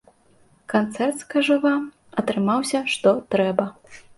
Канцэрт, скажу вам, атрымаўся што трэба!